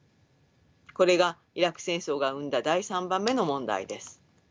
これがイラク戦争が生んだ第３番目の問題です。